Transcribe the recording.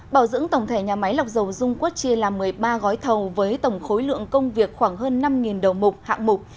bảo dưỡng tổng thể nhà máy lọc dầu dung quốc chia làm một mươi ba gói thầu với tổng khối lượng công việc khoảng hơn năm đầu mục hạng mục